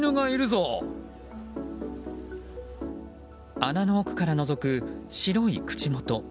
穴の奥からのぞく白い口元。